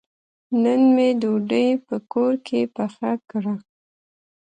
نن مې ډوډۍ په کور کې پخه کړه.